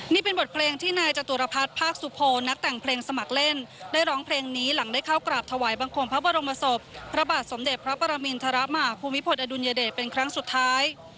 นี่เป็นบทเพลงที่นายจตุรพัฒน์ภาคสุโพนักแต่งเพลงสมัครเล่นได้ร้องเพลงนี้หลังได้เข้ากราบถวายบังคมพระบรมศพในหลวงราชการที่๙เป็นครั้งสุดท้าย